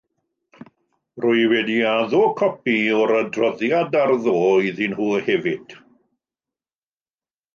Rwy wedi addo copi o'r adroddiad ar ddoe iddyn nhw hefyd.